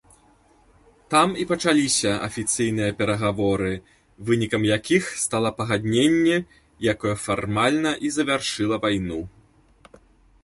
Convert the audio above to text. Там і пачаліся афіцыйныя перагаворы, вынікам якіх стала пагадненне, якое фармальна і завяршыла вайну.